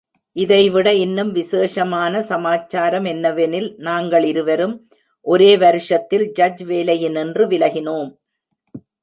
இதைவிட இன்னும் விசேஷமான சமாச்சாரம் என்னவெனில், நாங்களிருவரும் ஒரே வருஷத்தில் ஜட்ஜ் வேலையினின்று விலகினோம்!